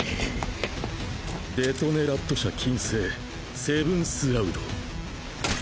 デトネラット社謹製セブンスラウド。